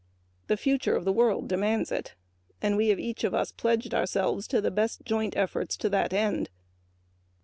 The future of the world demands it and we have each of us pledged ourselves to the best joint efforts to this end.